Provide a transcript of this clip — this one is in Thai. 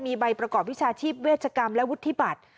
มีใบประกอบวิชาชีพเวชกรรมและวุฒิบัตร